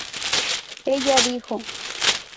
Ella dijo